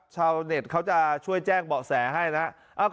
ชาวเน็ตเขาจะช่วยแจ้งเบาะแสให้นะครับ